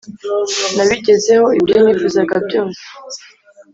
nabigezeho ibyo nifuzaga byose